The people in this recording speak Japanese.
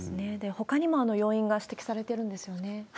ほかにも要因が指摘されてるんですよね？